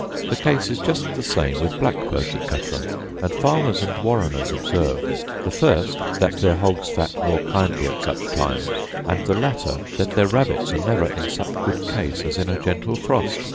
The case is just the same with blackbirds, etc.; and farmers and warreners observe, the first, that their hogs fat more kindly at such times, and the latter that the rabbits are never in such good case as in a gentle frost.